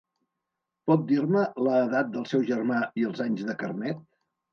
Pot dir-me la edat del seu germà i els anys de carnet?